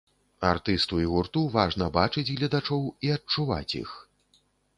Артысту і гурту важна бачыць гледачоў і адчуваць іх.